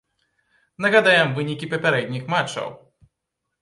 Нагадаем вынікі папярэдніх матчаў.